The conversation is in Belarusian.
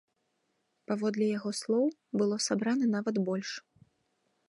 Паводле яго слоў, было сабрана нават больш.